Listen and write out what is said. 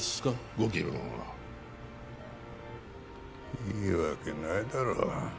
ご気分はいいわけないだろう